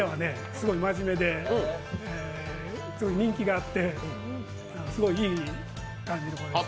すごい真面目で人気があって、すごいいい感じの子でした。